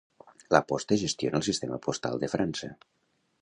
La Poste gestiona el sistema postal de França.